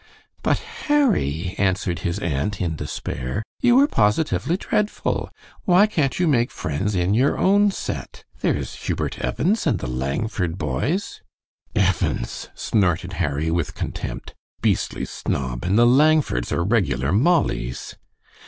"But, Harry," answered his aunt, in despair, "you are positively dreadful. Why can't you make friends in your own set? There is Hubert Evans and the Langford boys." "Evans!" snorted Harry, with contempt; "beastly snob, and the Langfords are regular Mollies!"